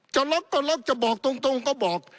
จะล็อกก็ล็อกจะบอกตรงก็บอก